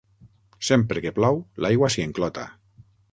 Sempre que plou l'aigua s'hi enclota.